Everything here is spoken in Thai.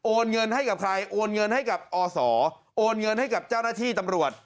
เงินให้กับใครโอนเงินให้กับอศโอนเงินให้กับเจ้าหน้าที่ตำรวจ